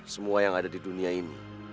semua yang ada di dunia ini